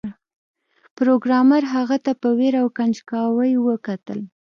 پروګرامر هغه ته په ویره او کنجکاوی وکتل